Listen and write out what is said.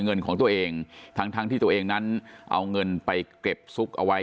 เงินของตัวเองทั้งทั้งที่ตัวเองนั้นเอาเงินไปเก็บซุกเอาไว้